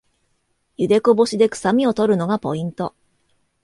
ゆでこぼしでくさみを取るのがポイント